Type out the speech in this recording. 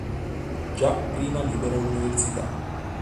Già prima libera università.